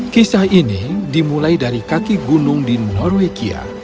kisah ini dimulai dari kaki gunung di norwegia